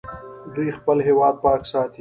دوی خپل هیواد پاک ساتي.